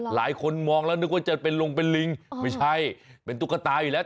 หลายคนมองแล้วนึกว่าจะเป็นลงเป็นลิงไม่ใช่เป็นตุ๊กตาอยู่แล้ว